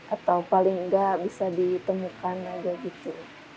atau paling nggak bisa ditemukan aja gitu